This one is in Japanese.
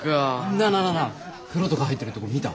なあなあなあなあ風呂とか入ってるとこ見た？